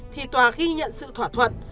thì tòa ghi nhận sự thỏa thuận